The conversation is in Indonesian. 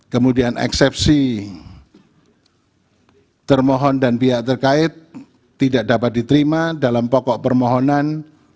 kemudian eksepsi termohon dan pihak terkait tidak dapat diterima dalam pokok permohonan